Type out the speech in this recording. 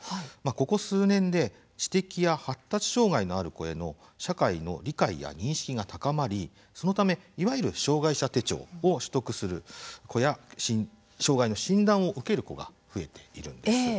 ここ数年で知的や発達障害のある子への社会の理解や認識が高まりそのため、いわゆる障害者手帳を取得する子や障害の診断を受ける子が増えているんです。